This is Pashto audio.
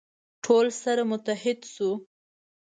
ټول سره متحد سو.